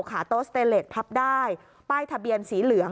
โต๊ะสเตเลสพับได้ป้ายทะเบียนสีเหลือง